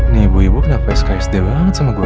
ni ibu ibu kenapa askrisde banget sama gue